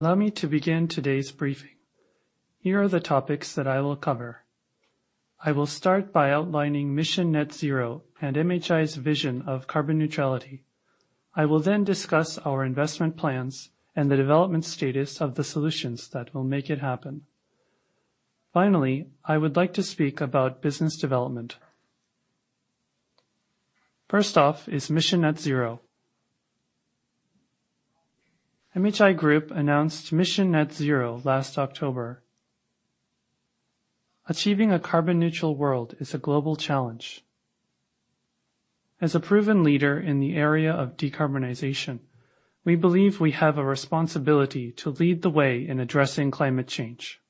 Allow me to begin today's briefing. Here are the topics that I will cover. I will start by outlining MISSION NET ZERO and MHI's vision of carbon neutrality. I will then discuss our investment plans and the development status of the solutions that will make it happen. Finally, I would like to speak about business development. First off is MISSION NET ZERO. MHI Group announced MISSION NET ZERO last October. Achieving a carbon neutral world is a global challenge. As a proven leader in the area of decarbonization, we believe we have a responsibility to lead the way in addressing climate change.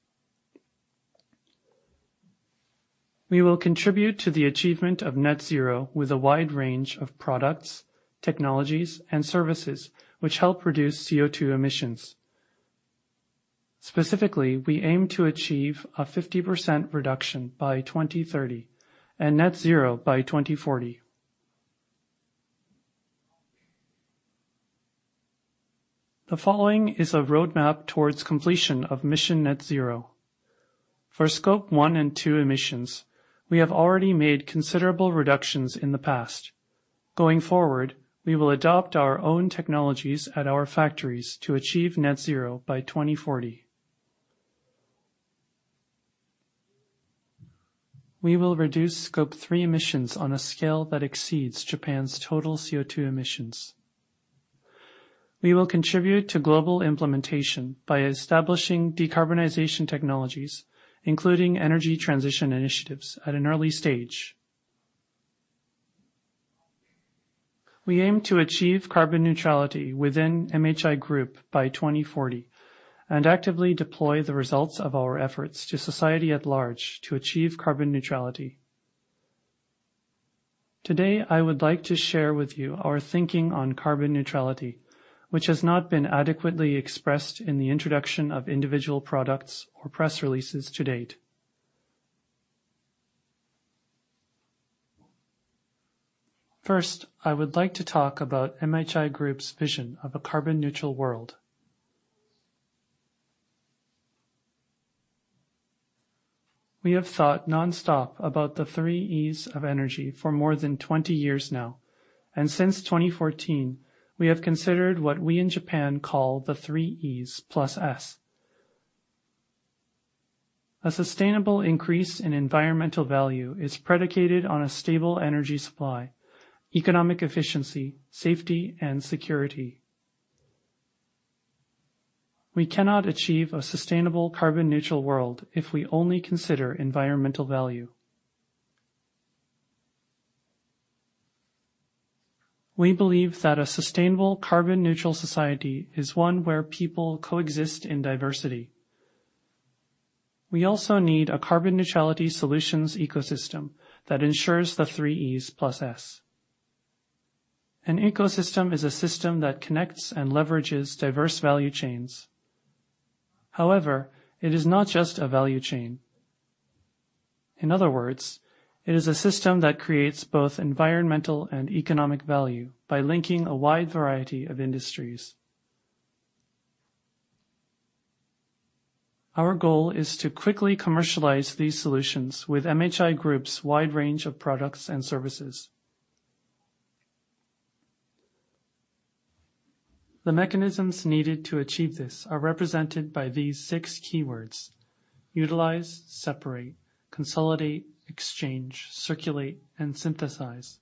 We will contribute to the achievement of Net Zero with a wide range of products, technologies, and services, which help reduce CO2 emissions. Specifically, we aim to achieve a 50% reduction by 2030 and net zero by 2040. The following is a roadmap towards completion of MISSION NET ZERO. For Scope 1 and 2 emissions, we have already made considerable reductions in the past. Going forward, we will adopt our own technologies at our factories to achieve net zero by 2040. We will reduce Scope 3 emissions on a scale that exceeds Japan's total CO2 emissions. We will contribute to global implementation by establishing decarbonization technologies, including energy transition initiatives at an early stage. We aim to achieve carbon neutrality within MHI Group by 2040 and actively deploy the results of our efforts to society at large to achieve carbon neutrality. Today, I would like to share with you our thinking on carbon neutrality, which has not been adequately expressed in the introduction of individual products or press releases to date. First, I would like to talk about MHI Group's vision of a carbon neutral world. We have thought nonstop about the three E's of energy for more than 20 years now, and since 2014, we have considered what we in Japan call the three E's plus S. A sustainable increase in environmental value is predicated on a stable energy supply, economic efficiency, safety, and security. We cannot achieve a sustainable carbon neutral world if we only consider environmental value. We believe that a sustainable carbon neutral society is one where people coexist in diversity. We also need a carbon neutrality solutions ecosystem that ensures the three E's plus S. An ecosystem is a system that connects and leverages diverse value chains. However, it is not just a value chain. In other words, it is a system that creates both environmental and economic value by linking a wide variety of industries. Our goal is to quickly commercialize these solutions with MHI Group's wide range of products and services. The mechanisms needed to achieve this are represented by these six keywords. Utilize, separate, consolidate, exchange, circulate, and synthesize.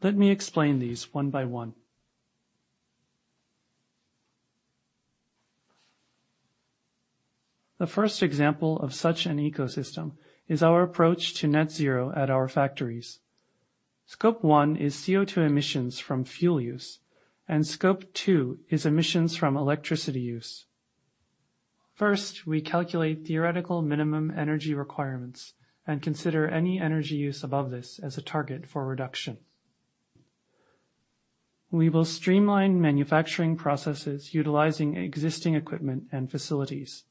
Let me explain these one by one. The first example of such an ecosystem is our approach to Net Zero at our factories. Scope 1 is CO2 emissions from fuel use, and Scope 2 is emissions from electricity use. First, we calculate theoretical minimum energy requirements and consider any energy use above this as a target for reduction. We will streamline manufacturing processes utilizing existing equipment and facilities.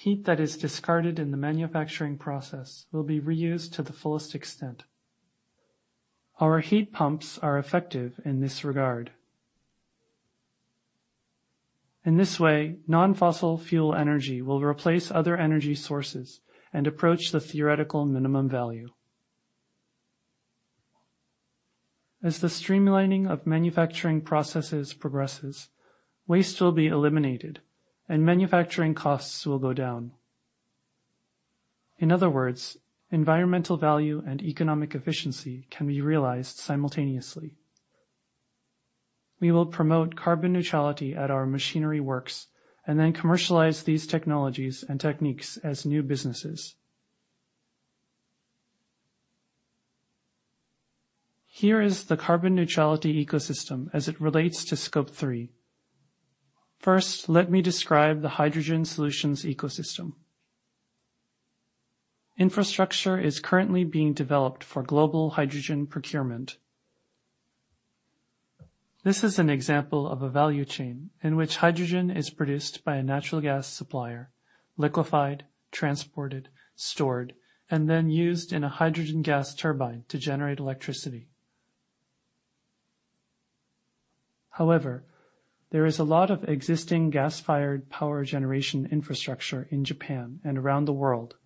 Heat that is discarded in the manufacturing process will be reused to the fullest extent. Our heat pumps are effective in this regard. In this way, non-fossil fuel energy will replace other energy sources and approach the theoretical minimum value. As the streamlining of manufacturing processes progresses, waste will be eliminated and manufacturing costs will go down. In other words, environmental value and economic efficiency can be realized simultaneously. We will promote carbon neutrality at our machinery works and then commercialize these technologies and techniques as new businesses. Here is the carbon neutrality ecosystem as it relates to Scope 3. First, let me describe the hydrogen solutions ecosystem. Infrastructure is currently being developed for global hydrogen procurement. This is an example of a value chain in which hydrogen is produced by a natural gas supplier, liquefied, transported, stored, and then used in a hydrogen gas turbine to generate electricity. However, there is a lot of existing gas-fired power generation infrastructure in Japan and around the world.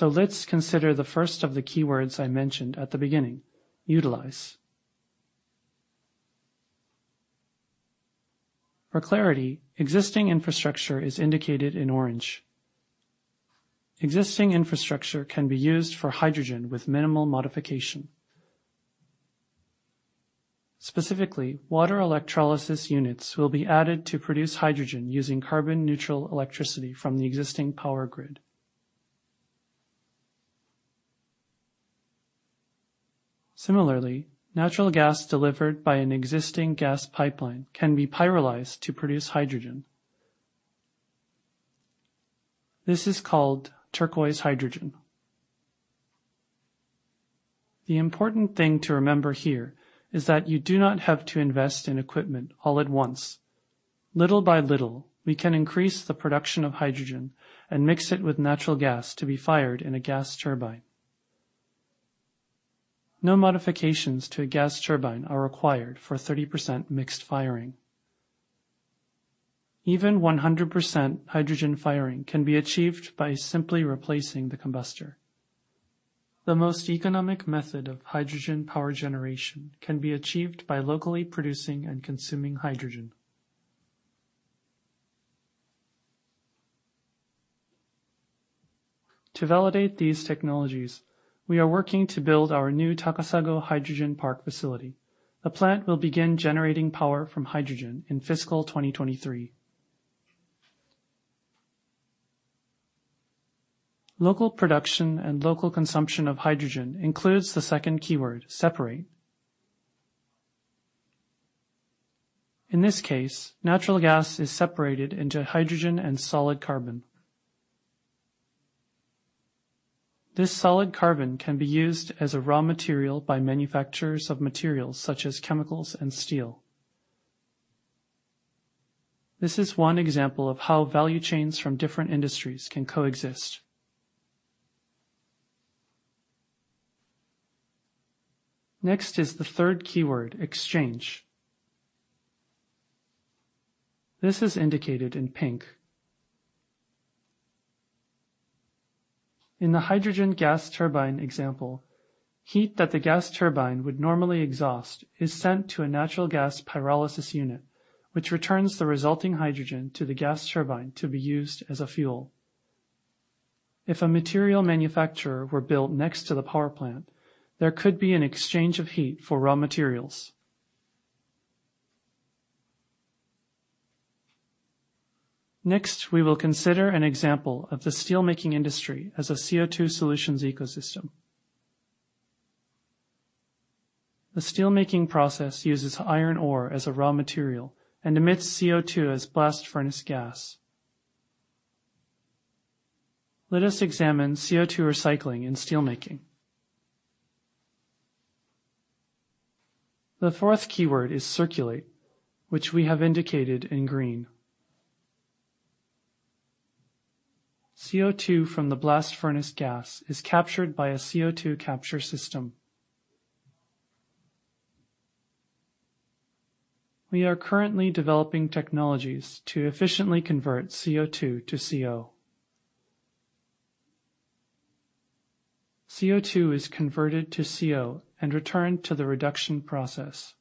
Let's consider the first of the keywords I mentioned at the beginning, utilize. For clarity, existing infrastructure is indicated in orange. Existing infrastructure can be used for hydrogen with minimal modification. Specifically, water electrolysis units will be added to produce hydrogen using carbon neutral electricity from the existing power grid. Similarly, natural gas delivered by an existing gas pipeline can be pyrolyzed to produce hydrogen. This is called turquoise hydrogen. The important thing to remember here is that you do not have to invest in equipment all at once. Little by little, we can increase the production of hydrogen and mix it with natural gas to be fired in a gas turbine. No modifications to a gas turbine are required for 30% mixed firing. Even 100% hydrogen firing can be achieved by simply replacing the combustor. The most economic method of hydrogen power generation can be achieved by locally producing and consuming hydrogen. To validate these technologies, we are working to build our new Takasago Hydrogen Park facility. The plant will begin generating power from hydrogen in fiscal 2023. Local production and local consumption of hydrogen includes the second keyword, separate. In this case, natural gas is separated into hydrogen and solid carbon. This solid carbon can be used as a raw material by manufacturers of materials such as chemicals and steel. This is one example of how value chains from different industries can coexist. Next is the third keyword, exchange. This is indicated in pink. In the hydrogen gas turbine example, heat that the gas turbine would normally exhaust is sent to a natural gas pyrolysis unit, which returns the resulting hydrogen to the gas turbine to be used as a fuel. If a material manufacturer were built next to the power plant, there could be an exchange of heat for raw materials. Next, we will consider an example of the steelmaking industry as a CO2 solutions ecosystem. The steelmaking process uses iron ore as a raw material and emits CO2 as blast furnace gas. Let us examine CO2 recycling in steelmaking. The fourth keyword is circulate, which we have indicated in green. CO2 from the blast furnace gas is captured by a CO2 capture system. We are currently developing technologies to efficiently convert CO2 to CO. CO2 is converted to CO and returned to the reduction process.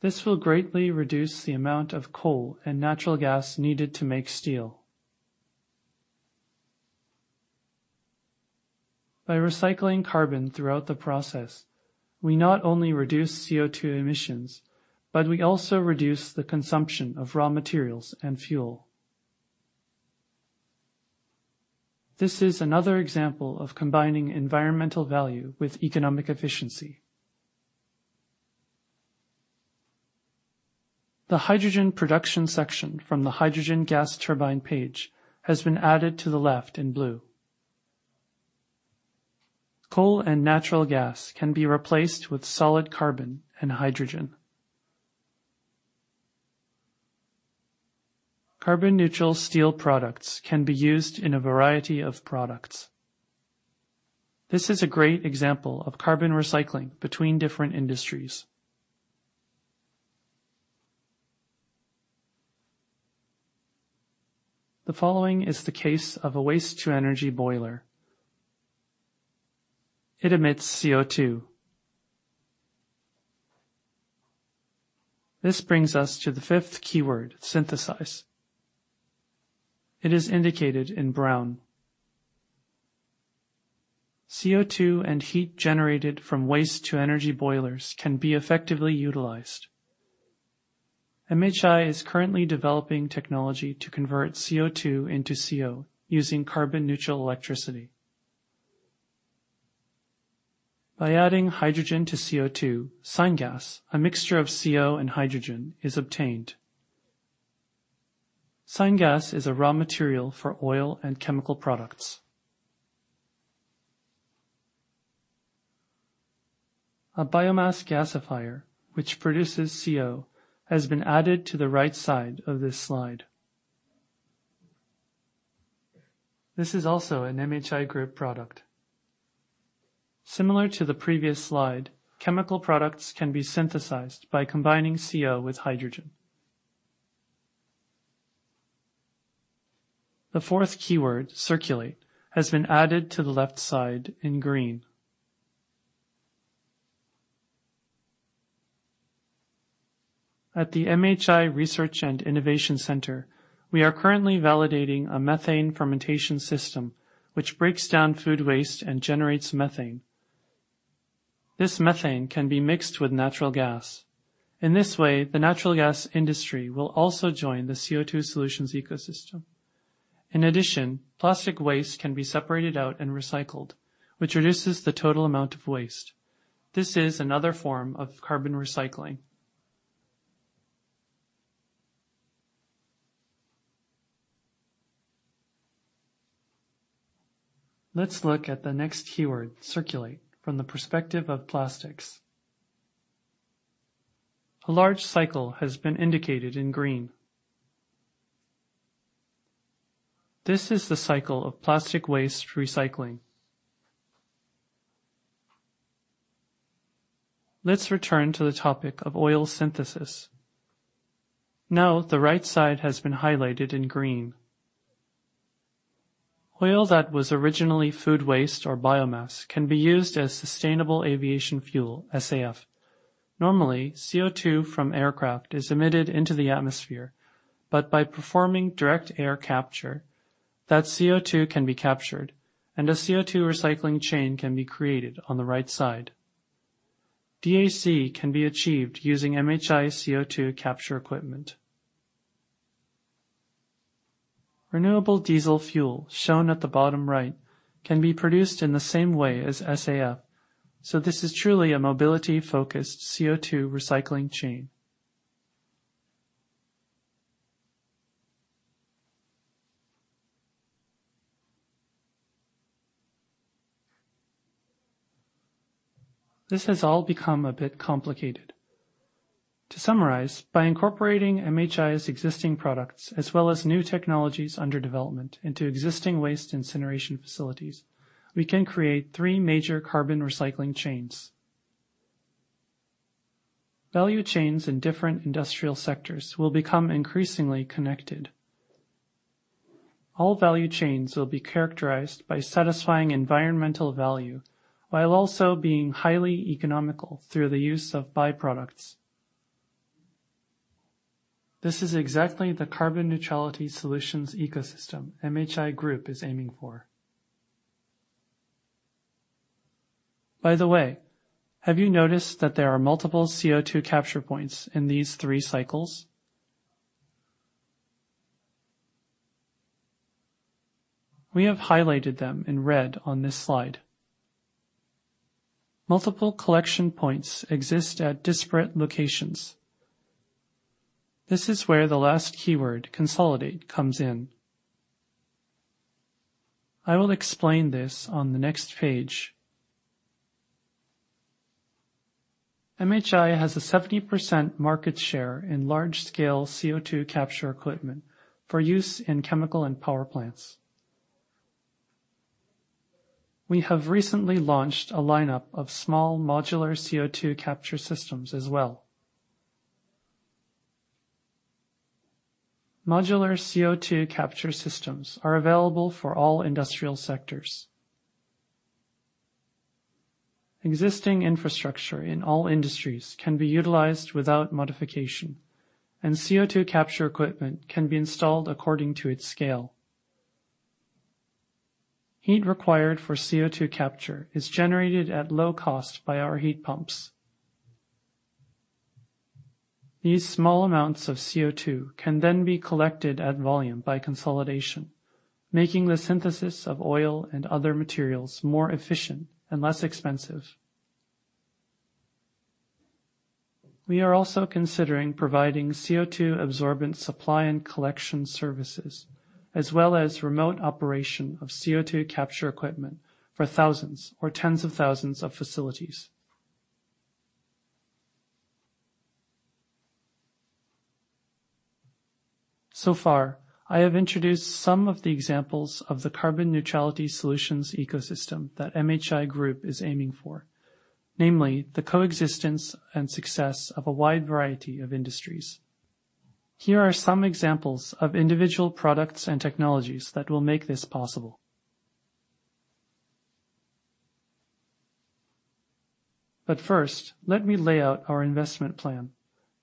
This will greatly reduce the amount of coal and natural gas needed to make steel. By recycling carbon throughout the process, we not only reduce CO2 emissions, but we also reduce the consumption of raw materials and fuel. This is another example of combining environmental value with economic efficiency. The hydrogen production section from the hydrogen gas turbine page has been added to the left in blue. Coal and natural gas can be replaced with solid carbon and hydrogen. Carbon neutral steel products can be used in a variety of products. This is a great example of carbon recycling between different industries. The following is the case of a waste to energy boiler. It emits CO2. This brings us to the fifth keyword, synthesize. It is indicated in brown. CO2 and heat generated from waste to energy boilers can be effectively utilized. MHI is currently developing technology to convert CO2 into CO using carbon neutral electricity. By adding hydrogen to CO2, syngas, a mixture of CO and hydrogen, is obtained. Syngas is a raw material for oil and chemical products. A biomass gasifier, which produces CO, has been added to the right side of this slide. This is also an MHI Group product. Similar to the previous slide, chemical products can be synthesized by combining CO with hydrogen. The fourth keyword, circulate, has been added to the left side in green. At the MHI Research and Innovation Center, we are currently validating a methane fermentation system which breaks down food waste and generates methane. This methane can be mixed with natural gas. In this way, the natural gas industry will also join the CO2 solutions ecosystem. In addition, plastic waste can be separated out and recycled, which reduces the total amount of waste. This is another form of carbon recycling. Let's look at the next keyword, circulate, from the perspective of plastics. A large cycle has been indicated in green. This is the cycle of plastic waste recycling. Let's return to the topic of oil synthesis. Now, the right side has been highlighted in green. Oil that was originally food waste or biomass can be used as sustainable aviation fuel, SAF. Normally, CO2 from aircraft is emitted into the atmosphere, but by performing direct air capture, that CO2 can be captured, and a CO2 recycling chain can be created on the right side. DAC can be achieved using MHI's CO2 capture equipment. Renewable diesel fuel, shown at the bottom right, can be produced in the same way as SAF, so this is truly a mobility-focused CO2 recycling chain. This has all become a bit complicated. To summarize, by incorporating MHI's existing products, as well as new technologies under development into existing waste incineration facilities, we can create three major carbon recycling chains. Value chains in different industrial sectors will become increasingly connected. All value chains will be characterized by satisfying environmental value while also being highly economical through the use of byproducts. This is exactly the carbon neutrality solutions ecosystem MHI Group is aiming for. By the way, have you noticed that there are multiple CO2 capture points in these three cycles? We have highlighted them in red on this slide. Multiple collection points exist at disparate locations. This is where the last keyword, consolidate, comes in. I will explain this on the next page. MHI has a 70% market share in large-scale CO2 capture equipment for use in chemical and power plants. We have recently launched a lineup of small modular CO2 capture systems as well. Modular CO2 capture systems are available for all industrial sectors. Existing infrastructure in all industries can be utilized without modification, and CO2 capture equipment can be installed according to its scale. Heat required for CO2 capture is generated at low cost by our heat pumps. These small amounts of CO2 can then be collected at volume by consolidation, making the synthesis of oil and other materials more efficient and less expensive. We are also considering providing CO2 absorbent supply and collection services, as well as remote operation of CO2 capture equipment for thousands or tens of thousands of facilities. So far, I have introduced some of the examples of the carbon neutrality solutions ecosystem that MHI Group is aiming for, namely the coexistence and success of a wide variety of industries. Here are some examples of individual products and technologies that will make this possible. First, let me lay out our investment plan.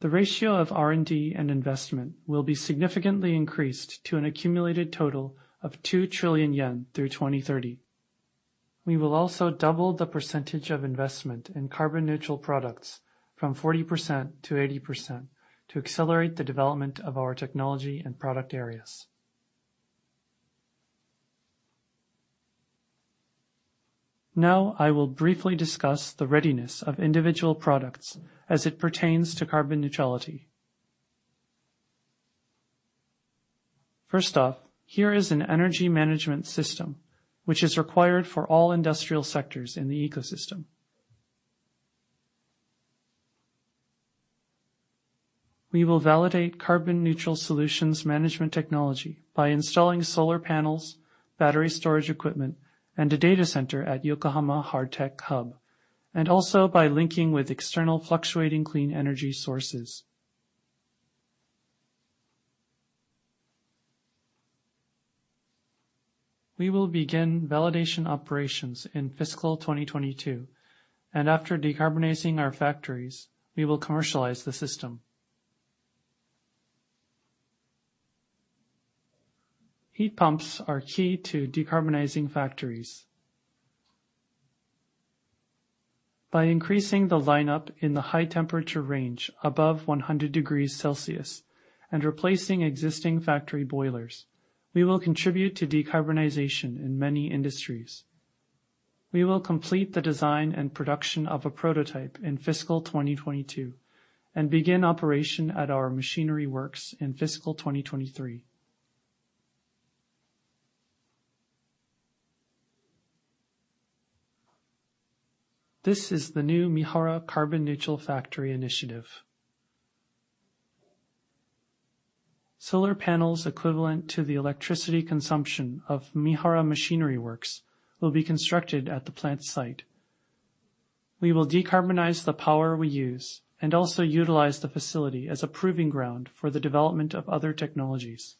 The ratio of R&D and investment will be significantly increased to an accumulated total of 2 trillion yen through 2030. We will also double the percentage of investment in carbon neutral products from 40% to 80% to accelerate the development of our technology and product areas. Now I will briefly discuss the readiness of individual products as it pertains to carbon neutrality. First off, here is an energy management system which is required for all industrial sectors in the ecosystem. We will validate carbon neutral solutions management technology by installing solar panels, battery storage equipment, and a data center at Yokohama Hardtech Hub, and also by linking with external fluctuating clean energy sources. We will begin validation operations in fiscal 2022, and after decarbonizing our factories, we will commercialize the system. Heat pumps are key to decarbonizing factories. By increasing the lineup in the high temperature range above 100 degrees Celsius and replacing existing factory boilers, we will contribute to decarbonization in many industries. We will complete the design and production of a prototype in fiscal 2022 and begin operation at our machinery works in fiscal 2023. This is the new Mihara Carbon Neutral Factory initiative. Solar panels equivalent to the electricity consumption of Mihara Machinery Works will be constructed at the plant site. We will decarbonize the power we use and also utilize the facility as a proving ground for the development of other technologies.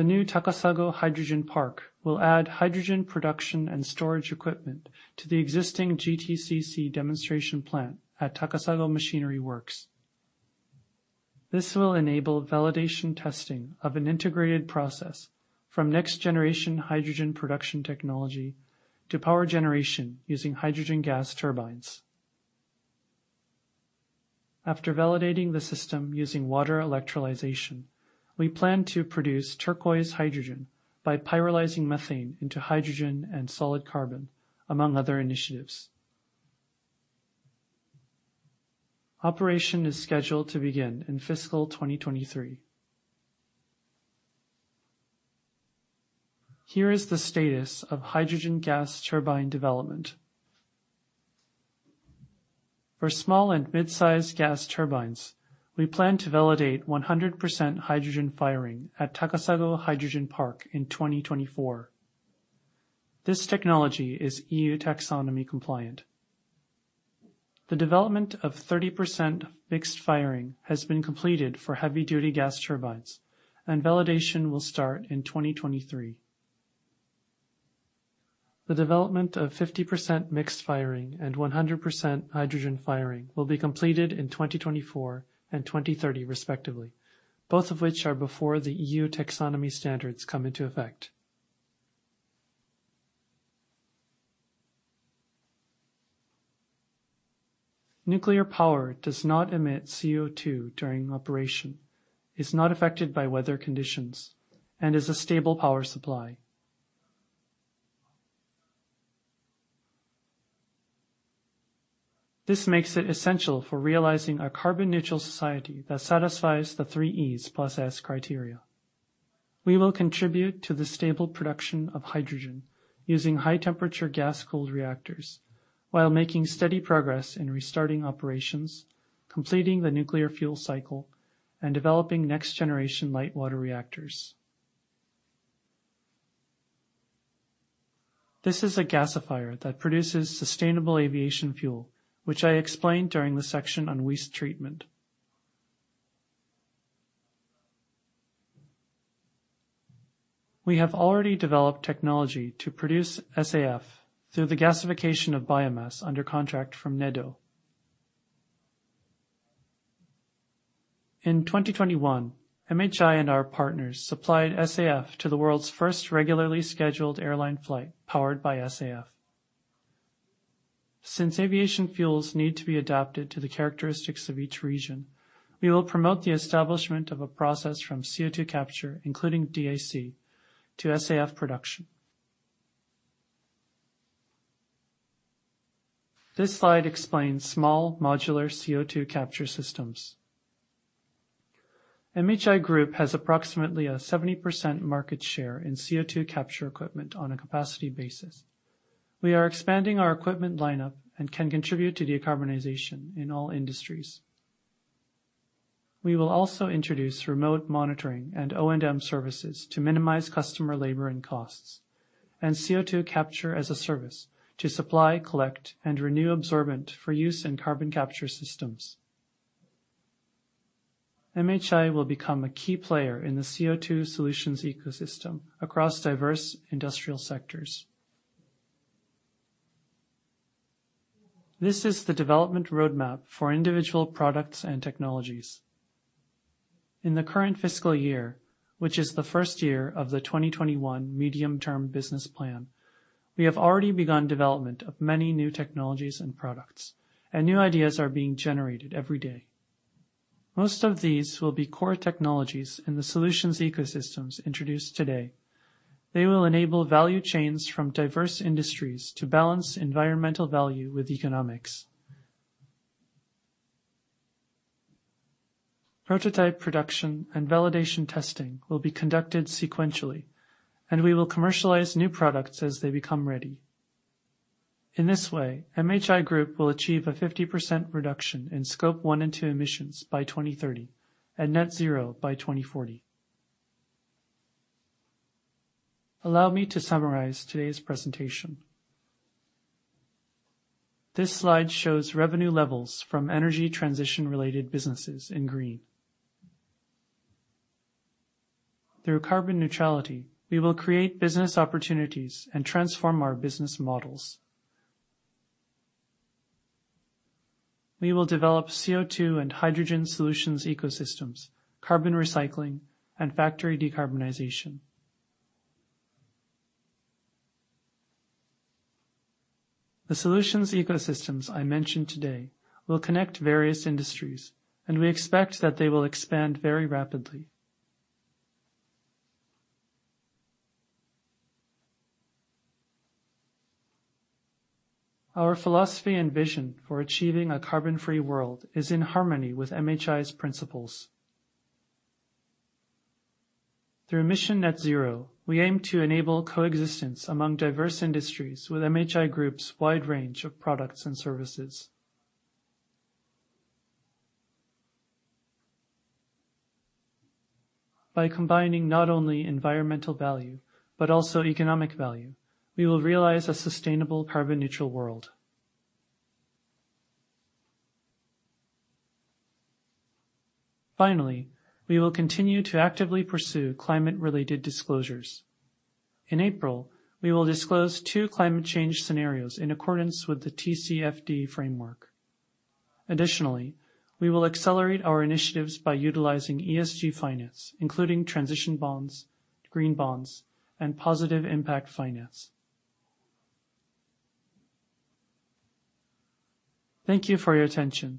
The new Takasago Hydrogen Park will add hydrogen production and storage equipment to the existing GTCC demonstration plant at Takasago Machinery Works. This will enable validation testing of an integrated process from next generation hydrogen production technology to power generation using hydrogen gas turbines. After validating the system using water electrolysis, we plan to produce turquoise hydrogen by pyrolyzing methane into hydrogen and solid carbon, among other initiatives. Operation is scheduled to begin in fiscal 2023. Here is the status of hydrogen gas turbine development. For small and mid-sized gas turbines, we plan to validate 100% hydrogen firing at Takasago Hydrogen Park in 2024. This technology is EU Taxonomy compliant. The development of 30% mixed firing has been completed for heavy-duty gas turbines, and validation will start in 2023. The development of 50% mixed firing and 100% hydrogen firing will be completed in 2024 and 2030 respectively, both of which are before the EU Taxonomy standards come into effect. Nuclear power does not emit CO2 during operation, is not affected by weather conditions, and is a stable power supply. This makes it essential for realizing a carbon neutral society that satisfies the three E's plus S criteria. We will contribute to the stable production of hydrogen using high temperature gas-cooled reactors, while making steady progress in restarting operations, completing the nuclear fuel cycle, and developing next generation light water reactors. This is a gasifier that produces sustainable aviation fuel, which I explained during the section on waste treatment. We have already developed technology to produce SAF through the gasification of biomass under contract from NEDO. In 2021, MHI and our partners supplied SAF to the world's first regularly scheduled airline flight powered by SAF. Since aviation fuels need to be adapted to the characteristics of each region, we will promote the establishment of a process from CO2 capture, including DAC, to SAF production. This slide explains small modular CO2 capture systems. MHI Group has approximately a 70% market share in CO2 capture equipment on a capacity basis. We are expanding our equipment lineup and can contribute to decarbonization in all industries. We will also introduce remote monitoring and O&M services to minimize customer labor and costs, and CO2 capture as a service to supply, collect, and renew absorbent for use in carbon capture systems. MHI will become a key player in the CO2 solutions ecosystem across diverse industrial sectors. This is the development roadmap for individual products and technologies. In the current fiscal year, which is the first year of the 2021 medium-term business plan. We have already begun development of many new technologies and products, and new ideas are being generated every day. Most of these will be core technologies in the solutions ecosystems introduced today. They will enable value chains from diverse industries to balance environmental value with economics. Prototype production and validation testing will be conducted sequentially, and we will commercialize new products as they become ready. In this way, MHI Group will achieve a 50% reduction in Scope 1 and 2 emissions by 2030, and net zero by 2040. Allow me to summarize today's presentation. This slide shows revenue levels from energy transition-related businesses in green. Through carbon neutrality, we will create business opportunities and transform our business models. We will develop CO2 and hydrogen solutions ecosystems, carbon recycling, and factory decarbonization. The solutions ecosystems I mentioned today will connect various industries, and we expect that they will expand very rapidly. Our philosophy and vision for achieving a carbon-free world is in harmony with MHI's principles. Through MISSION NET ZERO, we aim to enable coexistence among diverse industries with MHI Group's wide range of products and services. By combining not only environmental value, but also economic value, we will realize a sustainable carbon neutral world. Finally, we will continue to actively pursue climate-related disclosures. In April, we will disclose two climate change scenarios in accordance with the TCFD framework. Additionally, we will accelerate our initiatives by utilizing ESG finance, including transition bonds, green bonds, and positive impact finance. Thank you for your attention.